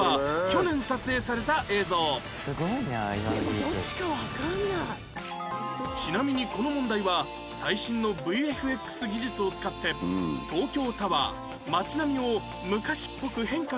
どっちかわからない」ちなみにこの問題は最新の ＶＦＸ 技術を使って東京タワー街並みを昔っぽく変化させています